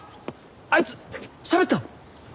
あいつしゃべったの？